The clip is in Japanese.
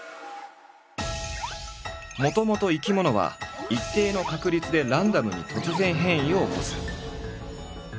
もともと生き物は一定の確率でランダムに突然変異を起こす。